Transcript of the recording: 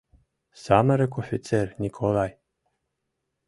Самырык офицер Николай...